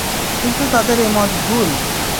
কিন্তু তাদের এ মত ভুল।